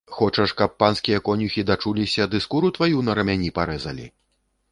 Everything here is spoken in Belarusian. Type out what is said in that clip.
Хочаш, каб панскія конюхі дачуліся ды скуру тваю на рамяні парэзалі?